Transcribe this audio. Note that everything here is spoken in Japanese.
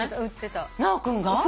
直君が？